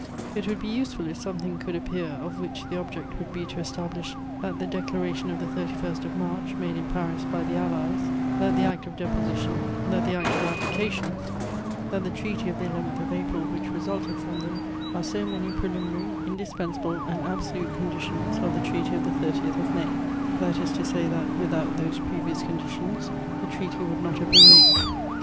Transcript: "It would be useful if something could appear of which the object would be to establish that the Declaration of the 31st of March, made in Paris by the Allies, that the Act of Deposition, that the Act of Abdication, that the Treaty of the 11th of April, which resulted from them, are so many preliminary, indispensable and absolute conditions of the Treaty of the 30th of May; that is to say that, without those previous conditions, the treaty would not have been made.